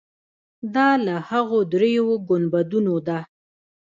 دا له هغو درېیو ګنبدونو ده.